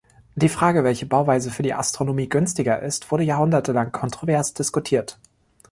Die Frage, welche Bauweise für die Astronomie günstiger ist, wurde jahrhundertelang kontrovers diskutiert.